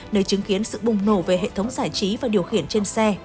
nơi chứng kiến sự bùng nổ về hệ thống giải trí và điều khiển trên xe